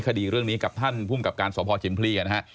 คดีเรื่องนี้กับท่านภูมิกับการสพชิมพลีนะฮะ